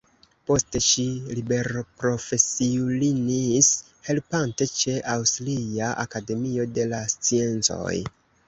Poste ŝi liberprofesiulinis helpante ĉe "Aŭstria akademio de la sciencoj".